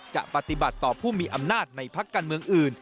จะปฏิบัติต่อผู้มีอำนาจในพักการเมืองอื่น